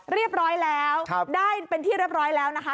เรียบร้อยแล้วได้เป็นที่เรียบร้อยแล้วนะคะ